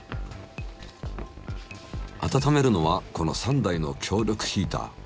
あたためるのはこの３台の強力ヒーター。